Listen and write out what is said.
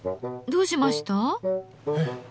どうしました？え？